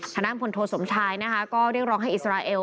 คณะผลโทสมชายนะครับก็เรียกร้องให้อิสราเอล